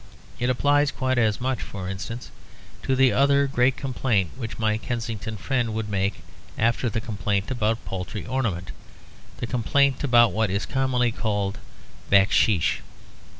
It applies quite as much, for instance, to the other great complaint which my Kensington friend would make after the complaint about paltry ornament; the complaint about what is commonly called backsheesh.